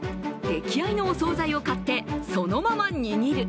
出来合いのお総菜を買って、そのまま握る。